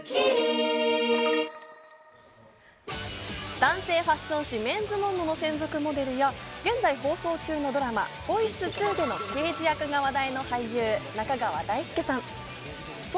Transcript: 男性ファッション誌『メンズノンノ』の専属モデルや、現在放送中のドラマ『ボイス２』での刑事役が話題の俳優・中川大輔さん。